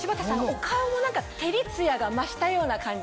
お顔も何か照りツヤが増したような感じが。